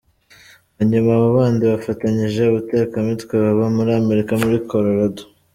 Hanyuma abo bandi bafatanyije ubutekamitwe baba muri Amerika muri Colorado.